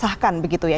sahkan begitu ya